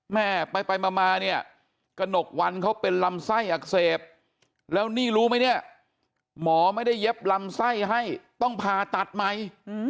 แม่ไปมาเนี่ยกระหนกวันเขาเป็นลำไส้อักเสบแล้วนี่รู้ไหมเนี่ยหมอไม่ได้เย็บลำไส้ให้ต้องผ่าตัดใหม่